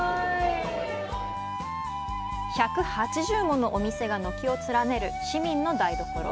１８０ものお店が軒を連ねる市民の台所。